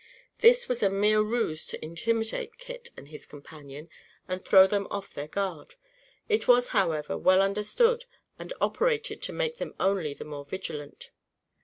This was a mere ruse to intimidate Kit and his companion and throw them off their guard. It was, however, well understood and operated to make them only the more vigilant.